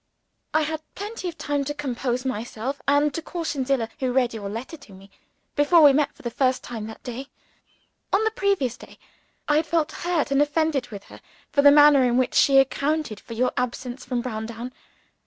I had plenty of time to compose myself, and to caution Zillah (who read your letter to me), before we met for the first time that day. On the previous day, I had felt hurt and offended with her for the manner in which she accounted for your absence from Browndown.